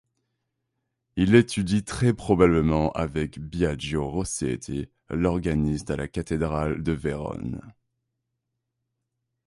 Il étudie très probablement avec Biagio Rossetti, l'organiste à la cathédrale de Vérone.